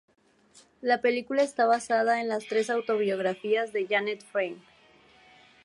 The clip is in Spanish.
La película está basada en las tres autobiografías de Janet Frame.